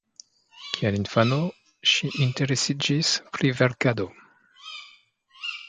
Kiel infano ŝi interesiĝis pri verkado.